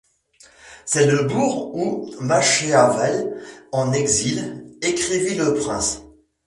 C'est le bourg où Machiavel, en exil, écrivit Le Prince.